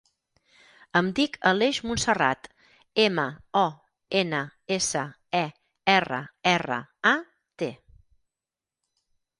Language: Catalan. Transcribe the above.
Em dic Aleix Monserrat: ema, o, ena, essa, e, erra, erra, a, te.